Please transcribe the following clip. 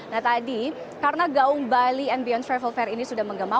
nah tadi karena gaung bali and beyond travel fair ini sudah menggema